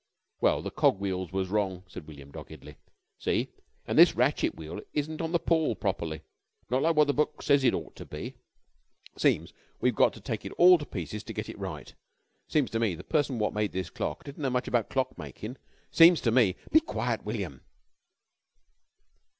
"Well, the cog wheels was wrong," said William doggedly. "See? An' this ratchet wheel isn't on the pawl prop'ly not like what this book says it ought to be. Seems we've got to take it all to pieces to get it right. Seems to me the person wot made this clock didn't know much about clock making. Seems to me " "Be quiet, William!"